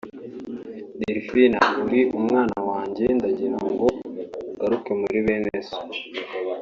Delphin uri umwana wanjye ndagira ngo ugaruke muri bene so